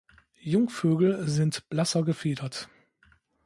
Jungvögel sind blasser gefiedert.